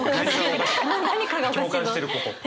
共感してるここ。